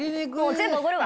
全部おごるわ。